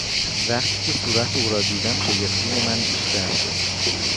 وقتی که صورت او را دیدم شگفتی من بیشتر شد.